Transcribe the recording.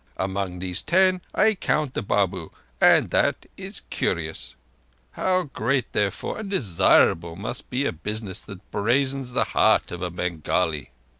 Among these ten I count the Babu, and that is curious. How great, therefore, and desirable must be a business that brazens the heart of a Bengali!"